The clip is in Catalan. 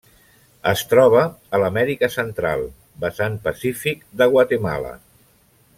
Es troba a l'Amèrica Central: vessant pacífic de Guatemala.